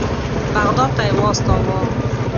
بغداد ته یې واستاوه.